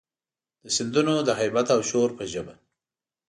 د سیندونو د هیبت او شور په ژبه،